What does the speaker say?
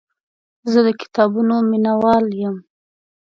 زه د کتابونو مینهوال یم.